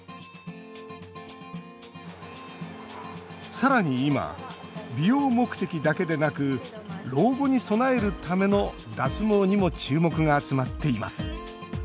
さらに今、美容目的だけでなく老後に備えるための脱毛にも注目が集まっています。